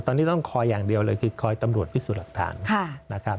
ตอนนี้ต้องคอยอย่างเดียวเลยคือคอยตำรวจพิสูจน์หลักฐานนะครับ